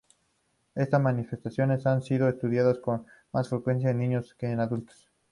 Estas manifestaciones han sido estudiadas con más frecuencia en niños que en adultos.